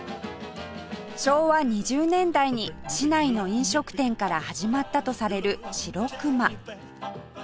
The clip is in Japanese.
昭和２０年代に市内の飲食店から始まったとされる白くま